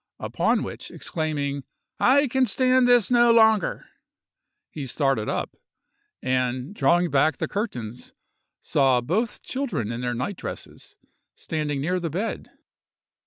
Upon which—exclaiming, "I can stand this no longer"—he started up, and, drawing back the curtains, saw both children in their night dresses, standing near the bed.